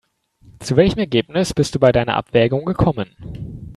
Zu welchem Ergebnis bist du bei deiner Abwägung gekommen?